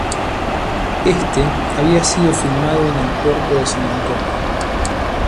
Éste había sido filmado en el Puerto de San Antonio.